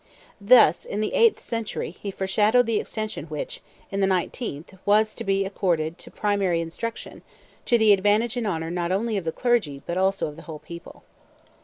Thus, in the eighth century, he foreshadowed the extension which, in the nineteenth, was to be accorded to primary instruction, to the advantage and honor not only of the clergy, but also of the whole people.